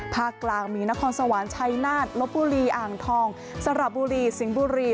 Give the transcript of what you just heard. ภาคกลางมีนครสวรรค์ชัยนาฏลบบุรีอ่างทองสระบุรีสิงห์บุรี